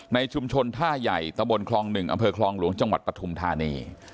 ในชุมชนท่าใหญ่ตะบนคลอง๑อำเภอคลองหลวงจังหวัดปฐุมธานี